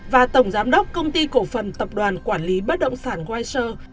và tổng giám đốc công ty cổ phần tập đoàn quản lý bất động sản wiser